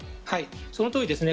そのとおりですね。